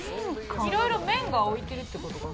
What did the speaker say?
いろいろ麺が置いてるってことかな。